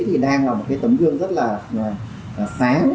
thì đang là một cái tấm gương rất là sáng